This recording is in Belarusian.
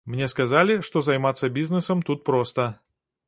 Мне сказалі, што займацца бізнэсам тут проста.